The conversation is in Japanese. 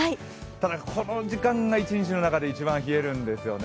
ただこの時間が一日の中で一番冷えるんですよね。